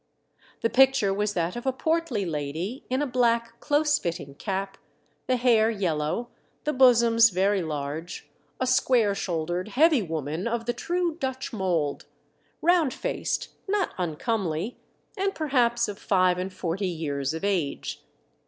The picture was that of a portly lady in a black close fitting cap, the hair yellow, the bosoms very large, a square shouldered heavy woman of the true Dutch mould, round faced, not uncomely, and perhaps of five and forty years of age.